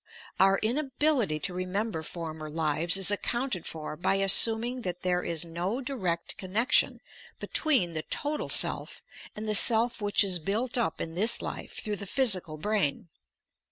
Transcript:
Our inability to remember former lives is accounted for by assuming that there is no direct connection be tween the total self and the self which is built up in this life through the physical brain.